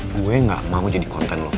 gue gak mau jadi konten loh